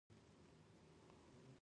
ځکه پخپله مې هم غوښتل چې پر دې پوی شم.